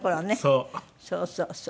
そうそうそう。